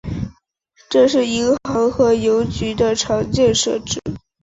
这是银行和邮局的常见设置。